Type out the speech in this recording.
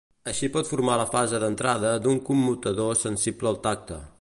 Així pot formar la fase d'entrada d'un commutador sensible al tacte.